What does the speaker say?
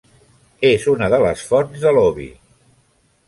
És una de les fonts de l'Obi.